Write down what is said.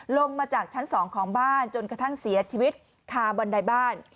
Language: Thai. ลงมาจากชั้น๒ของบ้านจนกระทั่งเสียชีวิตคาบันไดบ้าน